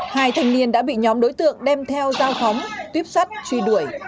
hai thanh niên đã bị nhóm đối tượng đem theo dao phóng tuyếp sắt truy đuổi